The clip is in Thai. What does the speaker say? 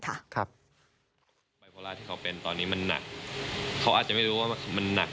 ไบโพลาที่เขาเป็นตอนนี้มันหนักเขาอาจจะไม่รู้ว่ามันหนัก